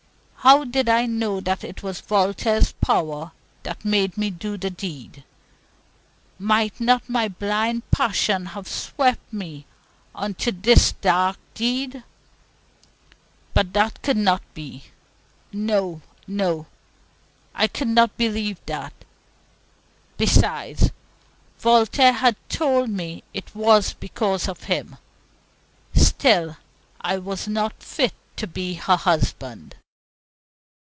How did I know it was Voltaire's power that made me do the deed? Might not my blind passion have swept me on to this dark deed? But that could not be. No, no; I could not believe that. Besides, Voltaire had told me it was because of him. Still, I was not fit to be her husband.